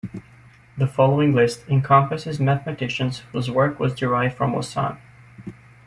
The following list encompasses mathematicians whose work was derived from wasan.